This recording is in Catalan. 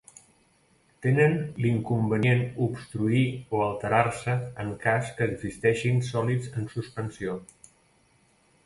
Tenen l'inconvenient obstruir o alterar-se en cas que existeixin sòlids en suspensió.